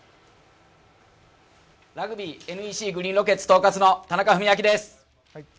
ラグビーＮＥＣグリーンロケッツ東葛の田中史朗です。